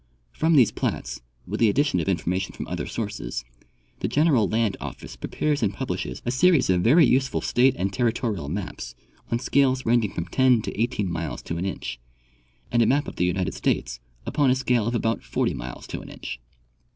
From these plats, with the addition of information from other sources, the General Land ofiice prepares and publishes a series of very useful state and territorial maps on. scales ranging from ten to eighteen miles to an inch, and a map of the United States upon a scale of about 40 miles to an inch.